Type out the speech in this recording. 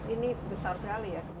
ini besar sekali ya